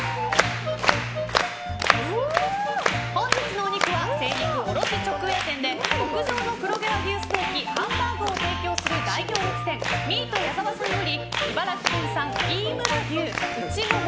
本日のお肉は、精肉卸直営店で極上の黒毛和牛ステーキハンバーグを提供する大行列店ミート矢澤さんより茨城県産、飯村牛内モモ